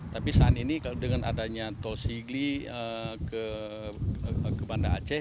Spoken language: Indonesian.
tapi saat ini dengan adanya tol sigli ke banda aceh